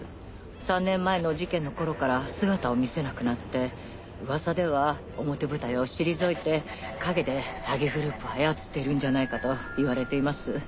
３年前の事件のころから姿を見せなくなってうわさでは表舞台を退いて陰で詐欺グループを操っているんじゃないかと言われています。